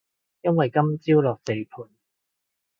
因為今朝落地盤